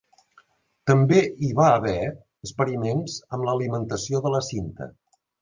També hi va haver experiments amb l'alimentació de la cinta.